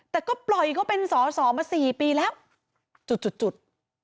แต่ก็ปล่อยก็เป็นศรสอมาสี่ปีแล้วจุด